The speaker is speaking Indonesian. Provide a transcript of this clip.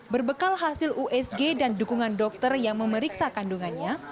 berbekal hasil usg dan dukungan dokter yang memeriksa kandungannya